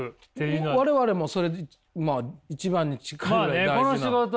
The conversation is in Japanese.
我々もまあ一番に近い大事な。